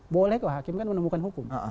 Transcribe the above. boleh kok hakim kan menemukan hukum